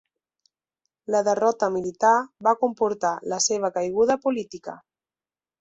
La derrota militar va comportar la seva caiguda política.